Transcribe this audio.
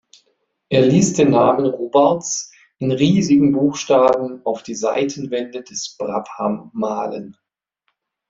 Er ließ den Namen Robarts in riesigen Buchstaben auf die Seitenwände des Brabham malen.